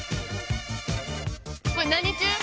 「これ何中？」